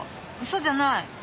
嘘じゃない。